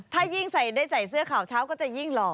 ถ้ายิ่งใส่ได้ใส่เสื้อข่าวเช้าก็จะยิ่งหล่อ